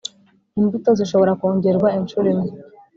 Imbuto zishobora kongerwa inshuro imwe.